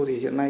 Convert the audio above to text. thì hiện nay